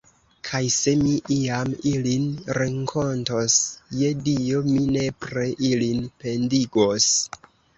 Kaj se mi iam ilin renkontos, je Dio, mi nepre ilin pendigos.